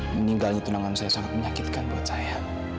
meninggalnya tunangan saya sangat menyakitkan buat saya